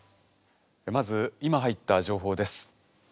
まず今入った情報です。